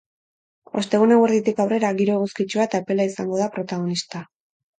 Ostegun eguerditik aurrera, giro eguzkitsua eta epela izango da protagonista.